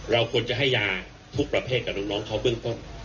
เราควรจะให้ยาทุกประเภทกับน้องเขาเบื้องต้น